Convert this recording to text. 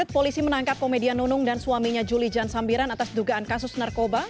polisi menangkap komedian nunung dan suaminya juli jan sambiran atas dugaan kasus narkoba